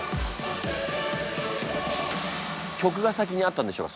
曲が先にあったんでしょうか